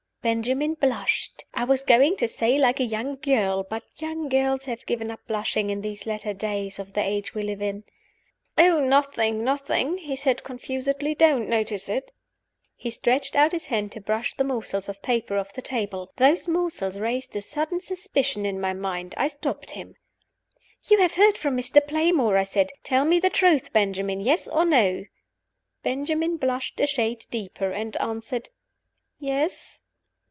Benjamin blushed I was going to say, like a young girl; but young girls have given up blushing in these latter days of the age we live in. "Oh, nothing, nothing!" he said, confusedly. "Don't notice it." He stretched out his hand to brush the morsels of paper off the table. Those morsels raised a sudden suspicion in my mind. I stopped him. "You have heard from Mr. Playmore!" I said. "Tell me the truth, Benjamin. Yes or no?" Benjamin blushed a shade deeper, and answered, "Yes."